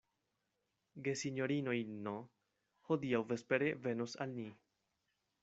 Gesinjoroj N. hodiaŭ vespere venos al ni.